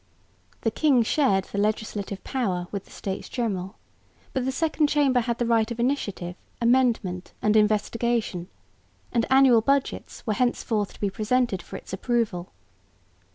The king shared the legislative power with the States General, but the Second Chamber had the right of initiative, amendment and investigation; and annual budgets were henceforth to be presented for its approval.